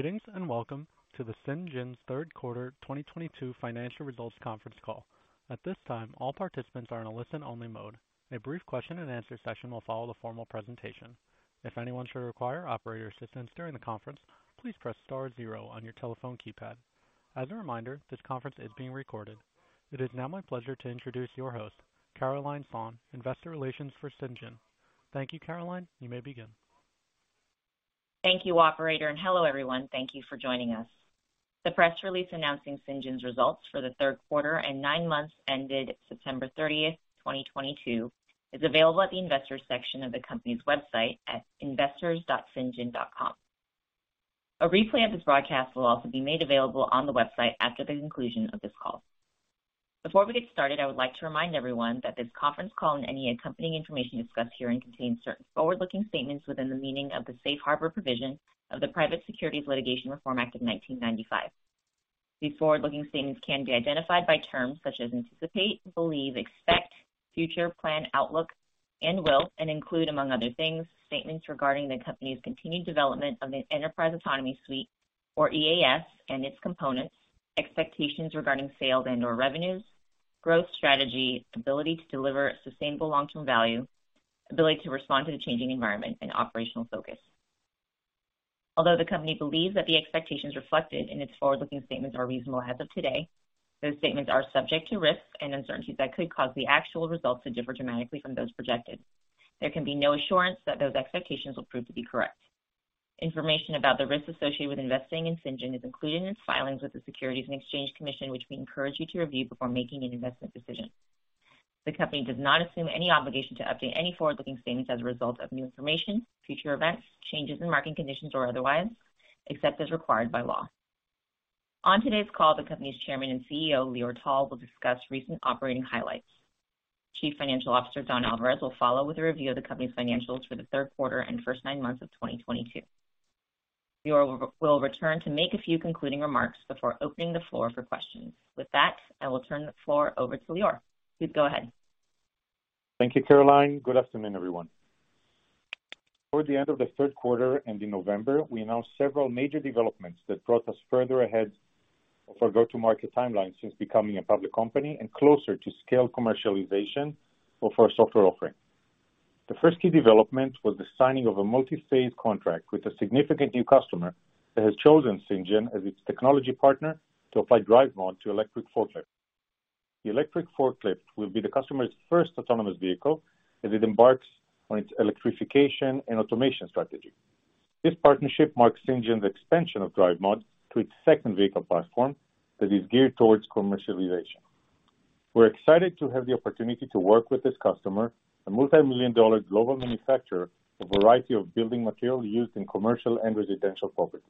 Greetings, and welcome to Cyngn's third quarter 2022 financial results conference call. At this time, all participants are in a listen-only mode. A brief question and answer session will follow the formal presentation. If anyone should require operator assistance during the conference, please press star zero on your telephone keypad. As a reminder, this conference is being recorded. It is now my pleasure to introduce your host, Carolyne Sohn, Investor Relations for Cyngn. Thank you, Caroline. You may begin. Thank you, operator, and hello, everyone. Thank you for joining us. The press release announcing Cyngn's results for the third quarter and nine months ended September 30, 2022, is available at the investor section of the company's website at investors.cyngn.com. A replay of this broadcast will also be made available on the website after the conclusion of this call. Before we get started, I would like to remind everyone that this conference call and any accompanying information discussed herein contains certain forward-looking statements within the meaning of the Safe Harbor provision of the Private Securities Litigation Reform Act of 1995. These forward-looking statements can be identified by terms such as anticipate, believe, expect, future, plan, outlook, and will, and include, among other things, statements regarding the company's continued development of an Enterprise Autonomy Suite, or EAS, and its components, expectations regarding sales and/or revenues, growth strategy, ability to deliver sustainable long-term value, ability to respond to the changing environment and operational focus. Although the company believes that the expectations reflected in its forward-looking statements are reasonable as of today, those statements are subject to risks and uncertainties that could cause the actual results to differ dramatically from those projected. There can be no assurance that those expectations will prove to be correct. Information about the risks associated with investing in Cyngn is included in its filings with the Securities and Exchange Commission, which we encourage you to review before making an investment decision. The company does not assume any obligation to update any forward-looking statements as a result of new information, future events, changes in market conditions or otherwise, except as required by law. On today's call, the company's Chairman and CEO, Lior Tal, will discuss recent operating highlights. Chief Financial Officer, Don Alvarez, will follow with a review of the company's financials for the third quarter and first nine months of 2022. Lior will return to make a few concluding remarks before opening the floor for questions. With that, I will turn the floor over to Lior. Please go ahead. Thank you, Caroline. Good afternoon, everyone. Toward the end of the third quarter and in November, we announced several major developments that brought us further ahead of our go-to-market timeline since becoming a public company and closer to scale commercialization of our software offering. The first key development was the signing of a multi-phase contract with a significant new customer that has chosen Cyngn as its technology partner to apply DriveMod to electric forklifts. The electric forklift will be the customer's first autonomous vehicle as it embarks on its electrification and automation strategy. This partnership marks Cyngn's expansion of DriveMod to its second vehicle platform that is geared towards commercialization. We're excited to have the opportunity to work with this customer, a multi-million dollar global manufacturer of a variety of building materials used in commercial and residential properties.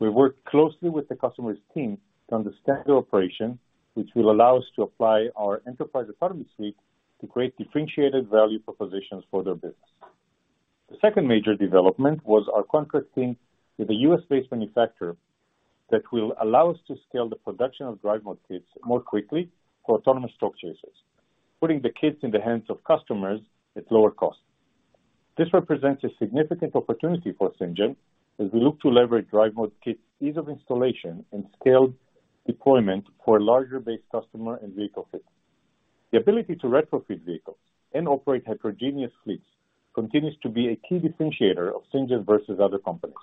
We work closely with the customer's team to understand their operation, which will allow us to apply our Enterprise Autonomy Suite to create differentiated value propositions for their business. The second major development was our contracting with a U.S.-based manufacturer that will allow us to scale the production of DriveMod Kits more quickly for autonomous stock chasers, putting the kits in the hands of customers at lower cost. This represents a significant opportunity for Cyngn as we look to leverage DriveMod Kit ease of installation and scale deployment for larger base customer and vehicle fleet. The ability to retrofit vehicles and operate heterogeneous fleets continues to be a key differentiator of Cyngn versus other companies,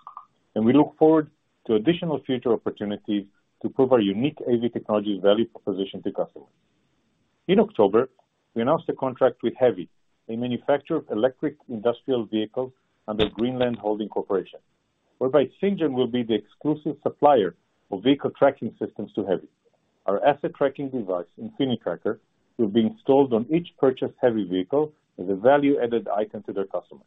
and we look forward to additional future opportunities to prove our unique AV technology value proposition to customers. In October, we announced a contract with HEVI, a manufacturer of electric industrial vehicles under Greenland Technologies Holding Corporation, whereby Cyngn will be the exclusive supplier for vehicle tracking systems to HEVI. Our asset tracking device, Infinitracker, will be installed on each purchased HEVI vehicle as a value-added item to their customers.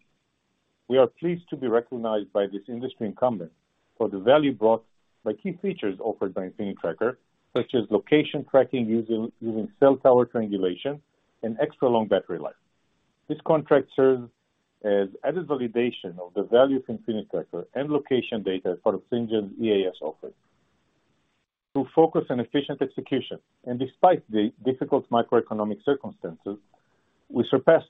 We are pleased to be recognized by this industry incumbent for the value brought by key features offered by Infinitracker, such as location tracking using cell tower triangulation and extra long battery life. This contract serves as added validation of the value of Infinitracker and location data for Cyngn's EAS offering. Through focus on efficient execution and despite the difficult macroeconomic circumstances, we surpassed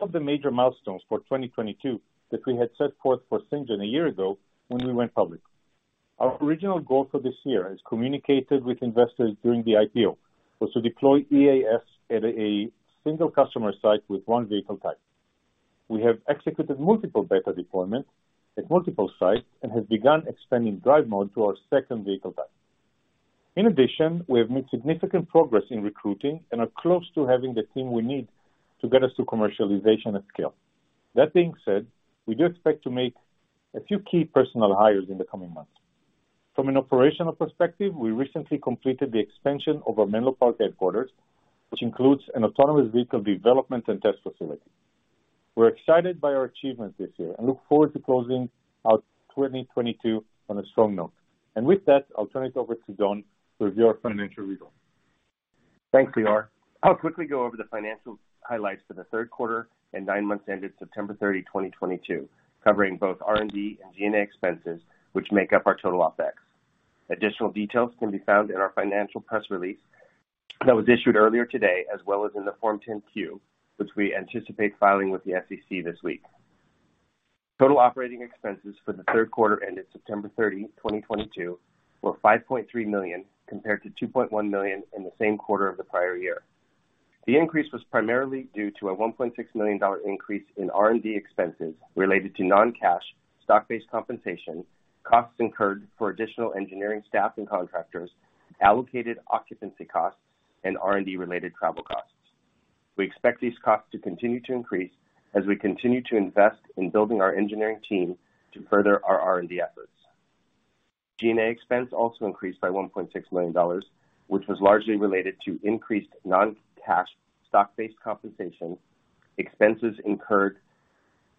all the major milestones for 2022 that we had set forth for Cyngn a year ago when we went public. Our original goal for this year, as communicated with investors during the IPO, was to deploy EAS at a single customer site with one vehicle type. We have executed multiple beta deployments at multiple sites and have begun expanding DriveMod to our second vehicle type. In addition, we have made significant progress in recruiting and are close to having the team we need to get us to commercialization at scale. That being said, we do expect to make a few key personnel hires in the coming months. From an operational perspective, we recently completed the expansion of our Menlo Park headquarters, which includes an autonomous vehicle development and test facility. We're excited by our achievements this year and look forward to closing out 2022 on a strong note. With that, I'll turn it over to Don to review our financial results. Thanks, Lior. I'll quickly go over the financial highlights for the third quarter and nine months ended September 30, 2022, covering both R&D and G&A expenses, which make up our total op- Additional details can be found in our financial press release that was issued earlier today, as well as in the Form 10-Q, which we anticipate filing with the SEC this week. Total operating expenses for the third quarter ended September 30, 2022 were $5.3 million compared to $2.1 million in the same quarter of the prior year. The increase was primarily due to a $1.6 million increase in R&D expenses related to non-cash stock-based compensation, costs incurred for additional engineering staff and contractors, allocated occupancy costs, and R&D related travel costs. We expect these costs to continue to increase as we continue to invest in building our engineering team to further our R&D efforts. G&A expense also increased by $1.6 million, which was largely related to increased non-cash stock-based compensation, expenses incurred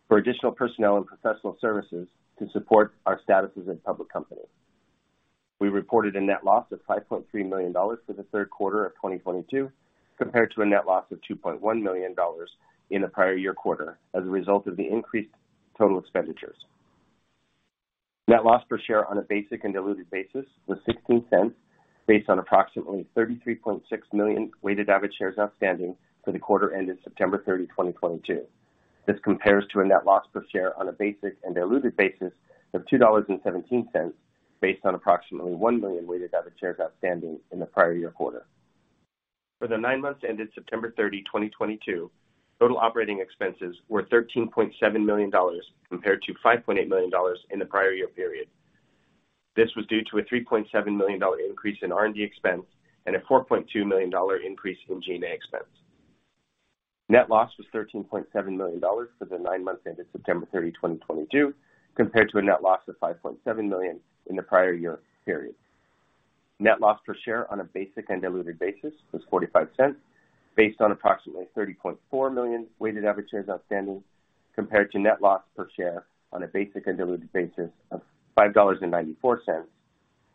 for additional personnel and professional services to support our statuses as a public company. We reported a net loss of $5.3 million for the third quarter of 2022, compared to a net loss of $2.1 million in the prior year quarter as a result of the increased total expenditures. Net loss per share on a basic and diluted basis was $0.16 based on approximately 33.6 million weighted average shares outstanding for the quarter ended September 30, 2022. This compares to a net loss per share on a basic and diluted basis of $2.17 based on approximately 1 million weighted average shares outstanding in the prior year quarter. For the nine months ended September 30, 2022, total operating expenses were $13.7 million compared to $5.8 million in the prior year period. This was due to a $3.7 million dollar increase in R&D expense and a $4.2 million increase in G&A expense. Net loss was $13.7 million for the nine months ended September 30, 2022, compared to a net loss of $5.7 million in the prior year period. Net loss per share on a basic and diluted basis was $0.45 based on approximately 30.4 million weighted average shares outstanding, compared to net loss per share on a basic and diluted basis of $5.94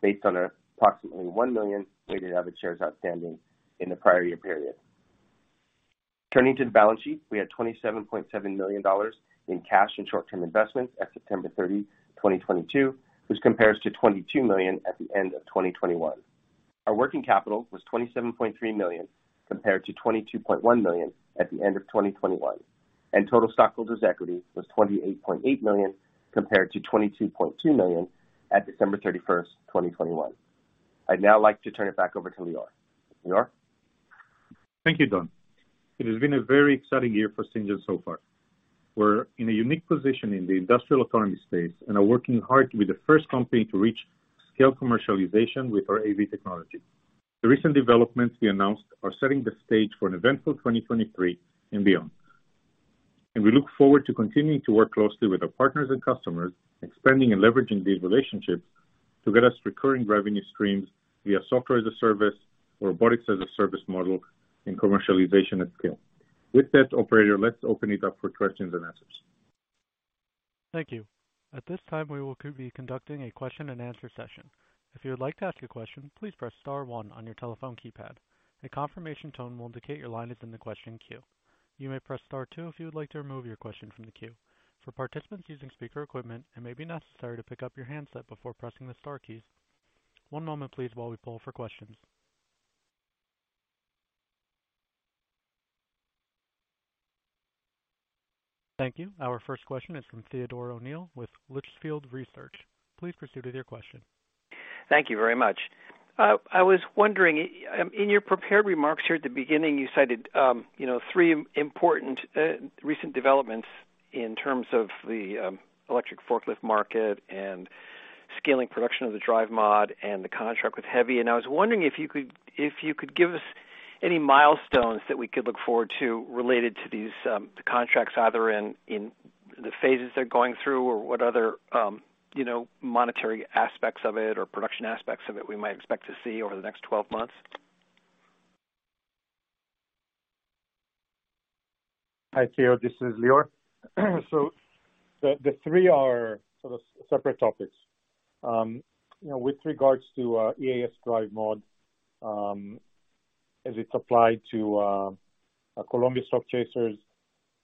based on approximately 1 million weighted average shares outstanding in the prior year period. Turning to the balance sheet, we had $27.7 million in cash and short-term investments at September 30, 2022, which compares to $22 million at the end of 2021. Our working capital was $27.3 million compared to $22.1 million at the end of 2021, and total stockholders' equity was $28.8 million compared to $22.2 million at December 31, 2021. I'd now like to turn it back over to Lior. Lior? Thank you, Don. It has been a very exciting year for Cyngn so far. We're in a unique position in the industrial autonomy space and are working hard to be the first company to reach scale commercialization with our AV technology. The recent developments we announced are setting the stage for an eventful 2023 and beyond. We look forward to continuing to work closely with our partners and customers, expanding and leveraging these relationships to get us recurring revenue streams via software as a service or robotics as a service model in commercialization at scale. With that, operator, let's open it up for questions and answers. Thank you. At this time, we will be conducting a question and answer session. If you would like to ask a question, please press star one on your telephone keypad. A confirmation tone will indicate your line is in the question queue. You may press star two if you would like to remove your question from the queue. For participants using speaker equipment, it may be necessary to pick up your handset before pressing the star keys. One moment please while we poll for questions. Thank you. Our first question is from Theodore O'Neill with Litchfield Hills Research. Please proceed with your question. Thank you very much. I was wondering, in your prepared remarks here at the beginning, you cited, you know, three important recent developments in terms of the electric forklift market and scaling production of the DriveMod and the contract with HEVI. I was wondering if you could give us any milestones that we could look forward to related to these contracts, either in the phases they're going through or what other, you know, monetary aspects of it or production aspects of it we might expect to see over the next 12 months. Hi, Theo, this is Lior. The three are sort of separate topics. You know, with regards to EAS DriveMod, as it's applied to Columbia stock chasers,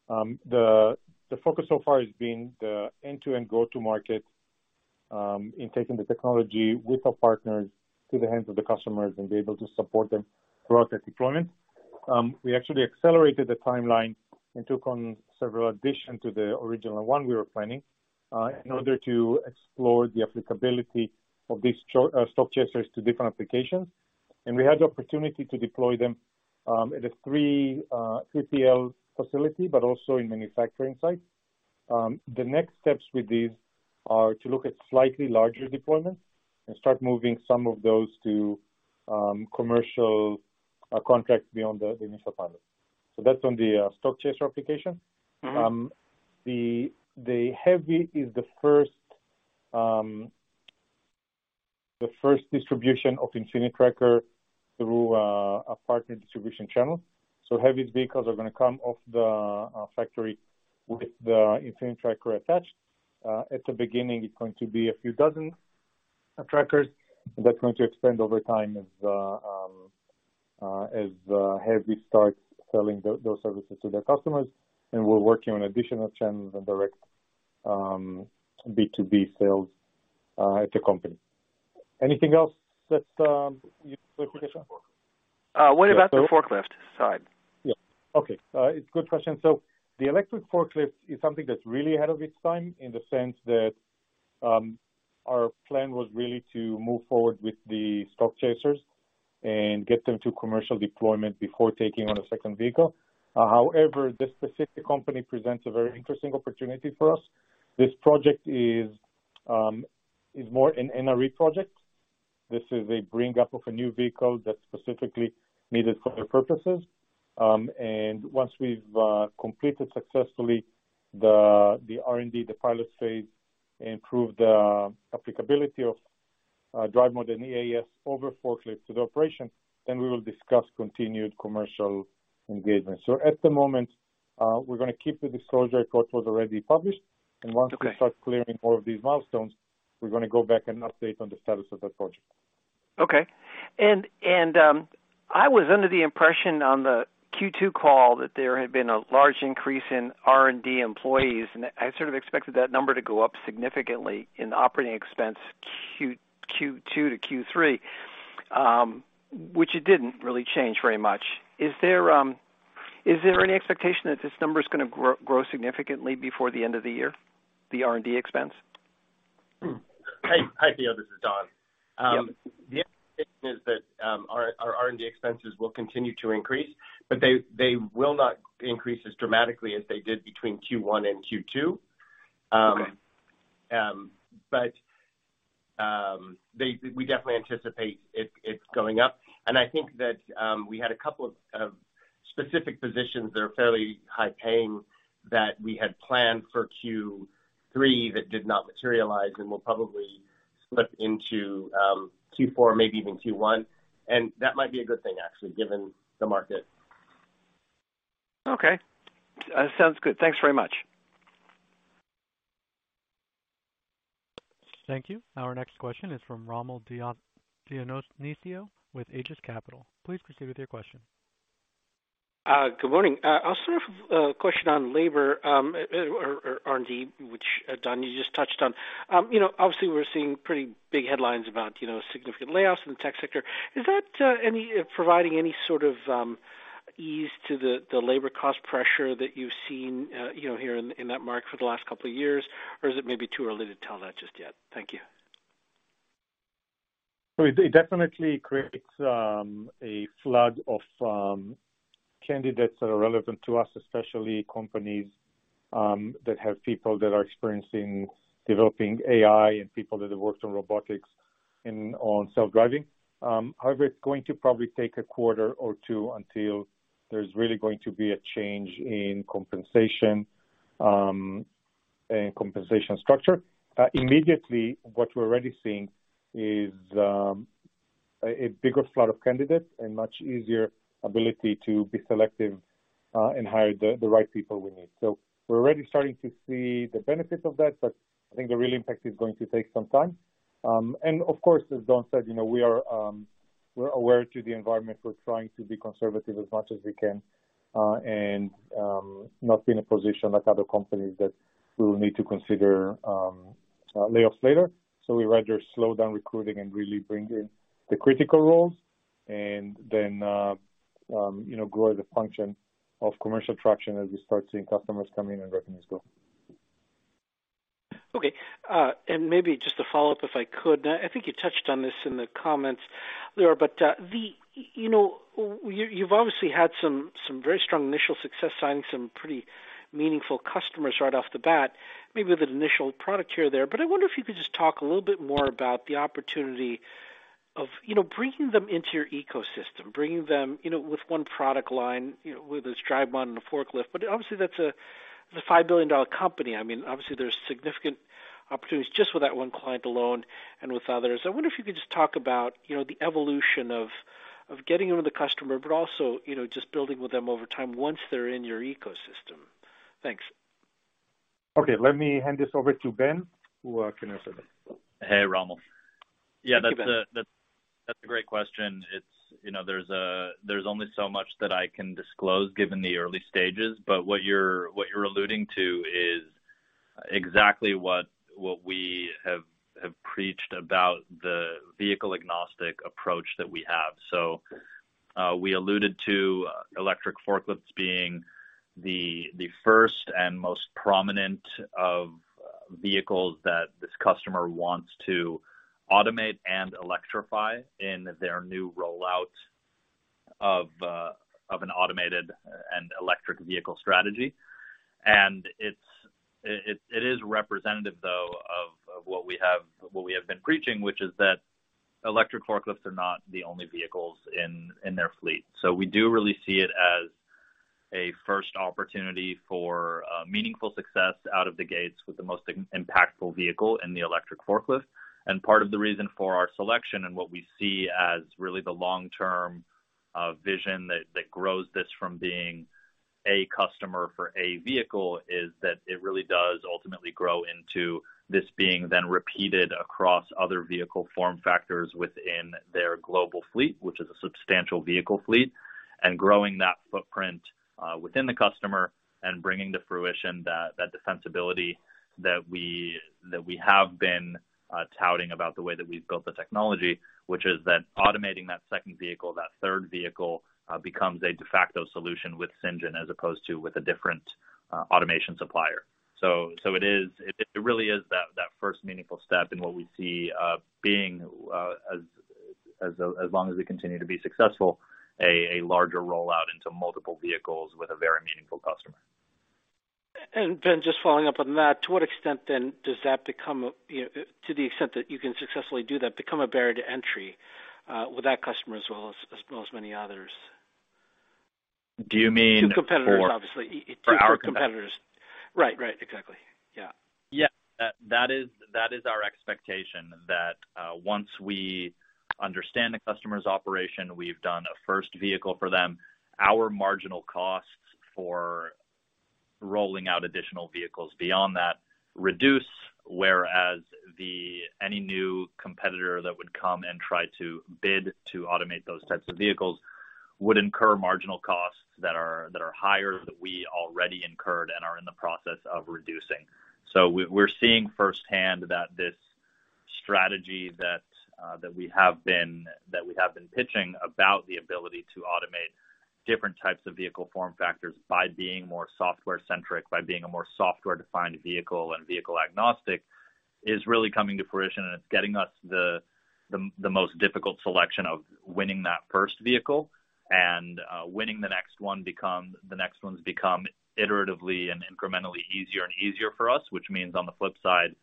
the focus so far has been the end-to-end go-to-market in taking the technology with our partners to the hands of the customers and be able to support them throughout their deployment. We actually accelerated the timeline and took on several additions to the original one we were planning in order to explore the applicability of these stock chasers to different applications. We had the opportunity to deploy them at a 3PL facility, but also in manufacturing sites. The next steps with these are to look at slightly larger deployments and start moving some of those to commercial contracts beyond the initial pilot. That's on the stock chaser application. The HEVI is the first distribution of Infinitracker through a partner distribution channel. HEVI's vehicles are gonna come off the factory with the Infinitracker attached. At the beginning, it's going to be a few dozen trackers that's going to expand over time as we start selling those services to their customers, and we're working on additional channels and direct B2B sales at the company. Anything else that you What about the forklift side? Yeah. Okay. It's a good question. The electric forklift is something that's really ahead of its time in the sense that our plan was really to move forward with the stock chasers and get them to commercial deployment before taking on a second vehicle. However, this specific company presents a very interesting opportunity for us. This project is more an NRE project. This is a bring up of a new vehicle that's specifically needed for their purposes. Once we've completed successfully the R&D, the pilot phase, and proved the applicability of DriveMod and EAS over forklifts to the operation, we will discuss continued commercial engagement. At the moment, we're gonna keep the disclosure. Of course, it was already published. Okay. Once we start clearing more of these milestones, we're gonna go back and update on the status of that project. Okay. I was under the impression on the Q2 call that there had been a large increase in R&D employees, and I sort of expected that number to go up significantly in operating expense Q2-Q3, which it didn't really change very much. Is there any expectation that this number is gonna grow significantly before the end of the year, the R&D expense? Hi, Theo, this is Don. Yep. The expectation is that our R&D expenses will continue to increase, but they will not increase as dramatically as they did between Q1 and Q2. Okay. We definitely anticipate it going up. I think that we had a couple of specific positions that are fairly high paying that we had planned for Q3 that did not materialize and will probably slip into Q4, maybe even Q1. That might be a good thing actually, given the market. Okay. Sounds good. Thanks very much. Thank you. Our next question is from Rommel Dionisio with Aegis Capital. Please proceed with your question. Good morning. I'll sort of question on labor or R&D, which, Don, you just touched on. You know, obviously we're seeing pretty big headlines about, you know, significant layoffs in the tech sector. Is that providing any sort of ease to the labor cost pressure that you've seen, you know, here in that market for the last couple of years? Or is it maybe too early to tell that just yet? Thank you. It definitely creates a flood of candidates that are relevant to us, especially companies that have people that are experienced in developing AI and people that have worked on robotics on self-driving. However, it's going to probably take a quarter or two until there's really going to be a change in compensation and compensation structure. Immediately, what we're already seeing is a bigger flood of candidates and much easier ability to be selective and hire the right people we need. We're already starting to see the benefits of that, but I think the real impact is going to take some time. Of course, as Don said, you know, we're aware of the environment. We're trying to be conservative as much as we can, and not be in a position like other companies that we will need to consider layoffs later. We rather slow down recruiting and really bring in the critical roles and then, you know, grow as a function of commercial traction as we start seeing customers come in and revenues grow. Okay. Maybe just a follow-up, if I could. I think you touched on this in the comments, Lior, but you know, you've obviously had some very strong initial success signing some pretty meaningful customers right off the bat, maybe with an initial product here or there. I wonder if you could just talk a little bit more about the opportunity of, you know, bringing them into your ecosystem, you know, with one product line, you know, with this DriveMod and a forklift. But obviously that's a $5 billion company. I mean, obviously there's significant opportunities just with that one client alone and with others. I wonder if you could just talk about, you know, the evolution of getting them with the customer, but also, you know, just building with them over time once they're in your ecosystem. Thanks. Okay. Let me hand this over to Ben, who can answer that. Hey, Rommel. Thank you, Ben. Yeah, that's a great question. It's, you know, there's only so much that I can disclose given the early stages. What you're alluding to is exactly what we have preached about the vehicle-agnostic approach that we have. We alluded to electric forklifts being the first and most prominent of vehicles that this customer wants to automate and electrify in their new rollout of an automated and electric vehicle strategy. It is representative, though, of what we have been preaching, which is that electric forklifts are not the only vehicles in their fleet. We do really see it as a first opportunity for meaningful success out of the gates with the most impactful vehicle in the electric forklift. Part of the reason for our selection and what we see as really the long-term vision that grows this from being a customer for a vehicle is that it really does ultimately grow into this being then repeated across other vehicle form factors within their global fleet, which is a substantial vehicle fleet. Growing that footprint within the customer and bringing to fruition that defensibility that we have been touting about the way that we've built the technology, which is that automating that second vehicle, that third vehicle becomes a de facto solution with Cyngn as opposed to with a different automation supplier. It really is that first meaningful step in what we see as long as we continue to be successful, a larger rollout into multiple vehicles with a very meaningful customer. Ben, just following up on that, to what extent then does that become, you know, to the extent that you can successfully do that, become a barrier to entry, with that customer as well as many others? Do you mean for? To competitors, obviously. For our comp- To competitors. Right. Exactly. Yeah. Yeah. That is our expectation that once we understand the customer's operation, we've done a first vehicle for them, our marginal costs for rolling out additional vehicles beyond that reduce, whereas any new competitor that would come and try to bid to automate those types of vehicles would incur marginal costs that are higher than we already incurred and are in the process of reducing. We're seeing firsthand that this strategy that we have been pitching about the ability to automate different types of vehicle form factors by being more software-centric, by being a more software-defined vehicle and vehicle agnostic, is really coming to fruition. It's getting us the most difficult selection of winning that first vehicle. Winning the next ones become iteratively and incrementally easier and easier for us, which means on the flip side,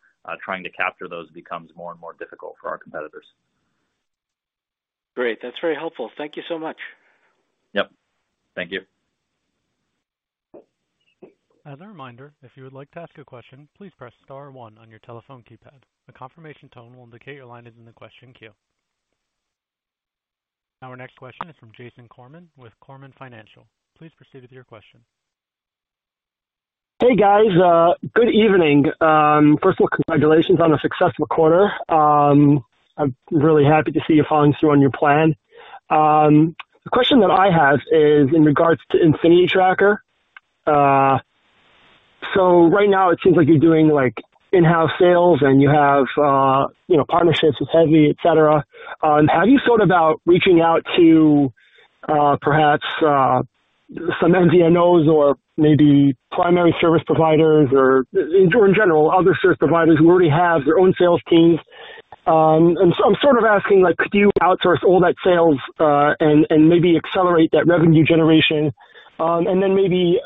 trying to capture those becomes more and more difficult for our competitors. Great. That's very helpful. Thank you so much. Yep. Thank you. As a reminder, if you would like to ask a question, please press star one on your telephone keypad. A confirmation tone will indicate your line is in the question queue. Our next question is from Jason Corman] with Coleman Financial. Please proceed with your question. Hey, guys, good evening. First of all, congratulations on a successful quarter. I'm really happy to see you following through on your plan. The question that I have is in regards to Infinitracker. So right now it seems like you're doing, like, in-house sales and you have, you know, partnerships with HEVI, et cetera. Have you thought about reaching out to, perhaps, some MVNOs or maybe primary service providers or in general, other service providers who already have their own sales teams? I'm sort of asking, like, could you outsource all that sales and maybe accelerate that revenue generation? Then maybe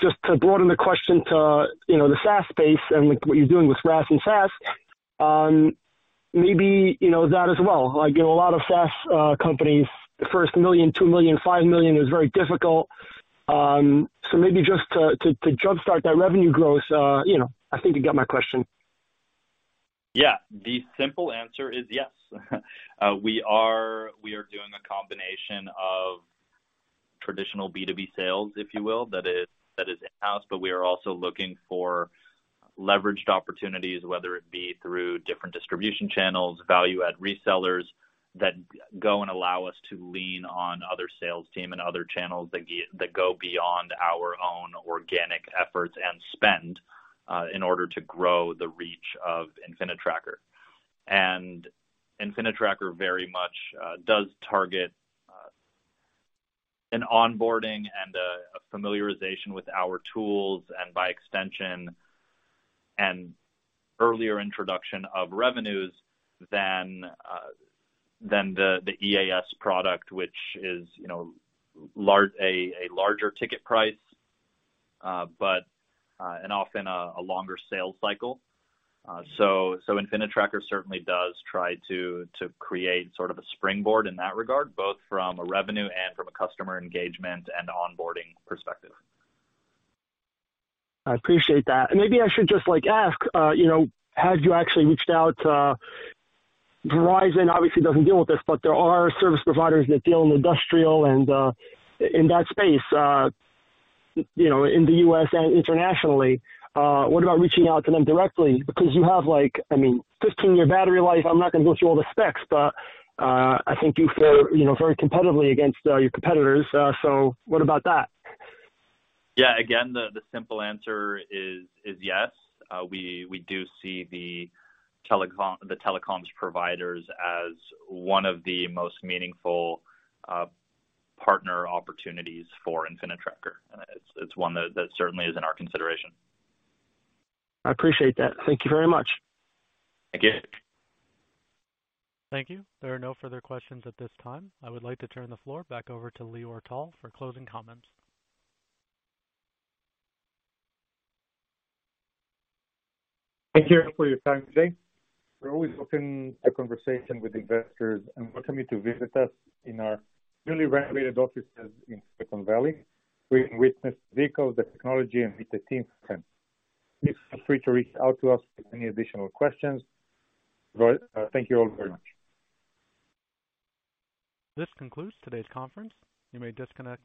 just to broaden the question to, you know, the SaaS space and with what you're doing with RaaS and SaaS, maybe you know that as well. Like, in a lot of SaaS companies, the first $1 million, $2 million, $5 million is very difficult. Maybe just to jumpstart that revenue growth. You know. I think you got my question. Yeah. The simple answer is yes. We are doing a combination of traditional B2B sales, if you will. That is in-house, but we are also looking for leveraged opportunities, whether it be through different distribution channels, value add resellers that go and allow us to lean on other sales team and other channels that go beyond our own organic efforts and spend in order to grow the reach of Infinitracker. Infinitracker very much does target an onboarding and a familiarization with our tools, and by extension and earlier introduction of revenues than the EAS product, which is, you know, a larger ticket price, but and often a longer sales cycle. Infinitracker certainly does try to create sort of a springboard in that regard, both from a revenue and from a customer engagement and onboarding perspective. I appreciate that. Maybe I should just, like, ask, you know, have you actually reached out to Verizon? Obviously doesn't deal with this, but there are service providers that deal in industrial and, in that space, you know, in the U.S. and internationally. What about reaching out to them directly? Because you have like, I mean, 15-year battery life. I'm not gonna go through all the specs, but, I think you fare, you know, very competitively against, your competitors. What about that? Yeah, again, the simple answer is yes. We do see the telecoms providers as one of the most meaningful partner opportunities for Infinitracker. It's one that certainly is in our consideration. I appreciate that. Thank you very much. Thank you. Thank you. There are no further questions at this time. I would like to turn the floor back over to Lior Tal for closing comments. Thank you for your time today. We're always open to conversation with investors and welcome you to visit us in our newly renovated offices in Silicon Valley. We can witness the vehicles, the technology, and meet the team. Please feel free to reach out to us with any additional questions. Thank you all very much. This concludes today's conference. You may disconnect your